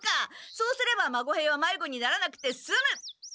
そうすれば孫兵はまいごにならなくてすむ！